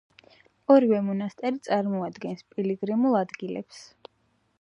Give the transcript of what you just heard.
ორივე მონასტერი წარმოადგენს პილიგრიმულ ადგილებს.